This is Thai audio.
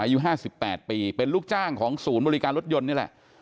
อายุ๕๘ปีเป็นลูกจ้างของศูนย์บริการรถยนต์นี่แหละ